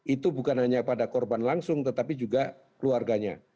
itu bukan hanya pada korban langsung tetapi juga keluarganya